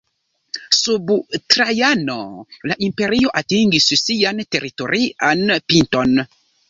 Sub Trajano, la imperio atingis sian teritorian pinton.